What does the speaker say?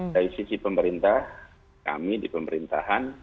dari sisi pemerintah kami di pemerintahan